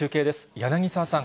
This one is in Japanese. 柳沢さん。